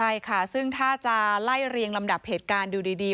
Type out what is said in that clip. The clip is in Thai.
ใช่ค่ะซึ่งถ้าจะไล่เรียงลำดับเหตุการณ์ดูดี